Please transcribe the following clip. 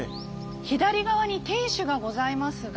左側に天守がございますが。